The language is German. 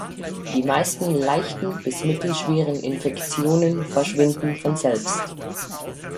Die meisten leichten bis mittelschweren Infektionen verschwinden von selbst.